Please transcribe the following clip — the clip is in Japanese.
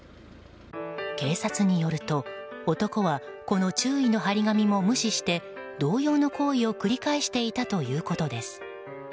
警察によると男はこの注意の貼り紙も無視して、同様の行為を繰り返していたということです。